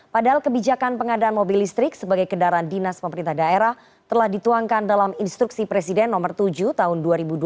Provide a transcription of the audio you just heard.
padahal kebijakan pengadaan mobil listrik sebagai kendaraan dinas pemerintah daerah telah dituangkan dalam instruksi presiden nomor tujuh tahun dua ribu dua puluh